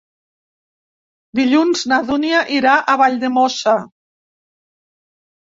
Dilluns na Dúnia irà a Valldemossa.